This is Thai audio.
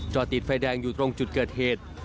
จอดติดไฟแดงอยู่ตรงจุดเกิดเหตุ